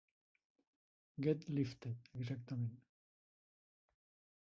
"Get Lifted", exactament.